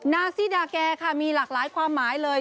นาซี่ดาแกค่ะมีหลากหลายความหมายเลย